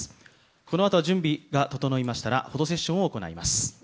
このあとは準備が整いましたら、フォトセッションを行います。